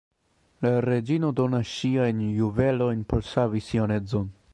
La reĝino donas ŝiajn juvelojn por savi sian edzon.